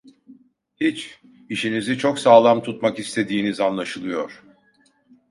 Hiç; işinizi çok sağlam tutmak istediğiniz anlaşılıyor.